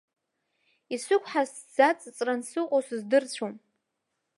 Исықәҳаз сзаҵыҵран сыҟоу сыздырцәом.